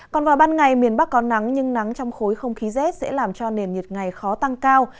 còn vào ban ngày miền bắc có nắng nhưng nắng trong khối không khí rét sẽ làm cho nền nhiệt ngày khó tăng cao